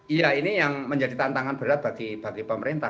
iya ini yang menjadi tantangan berat bagi pemerintah